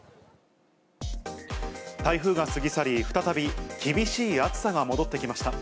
台風が過ぎ去り、再び厳しい暑さが戻ってきました。